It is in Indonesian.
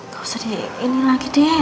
gak usah di ini lagi deh